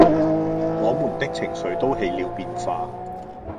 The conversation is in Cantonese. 我們的情緒起了變化